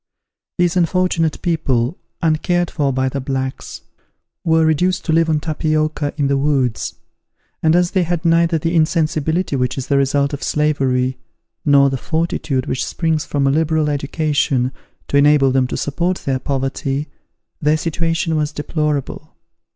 These unfortunate people, uncared for by the blacks, were reduced to live on tapioca in the woods; and as they had neither the insensibility which is the result of slavery, nor the fortitude which springs from a liberal education, to enable them to support their poverty, their situation was deplorable.